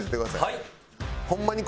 はい！